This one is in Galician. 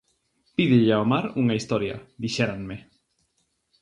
"Pídelle ao mar unha historia" – dixéranme.